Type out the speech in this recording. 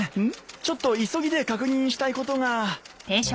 ちょっと急ぎで確認したいことが。